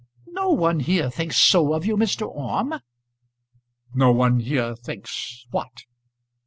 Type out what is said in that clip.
"No one here thinks so of you, Mr. Orme." "No one here thinks what?"